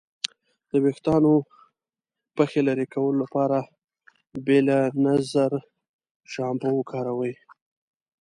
د ویښتانو پخې لرې کولو لپاره بیلینزر شامپو وکاروئ.